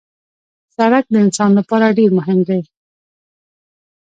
سړک د انسان لپاره ډېر مهم دی.